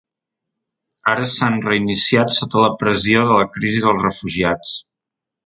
Ara s’han reiniciat sota la pressió de la crisi dels refugiats.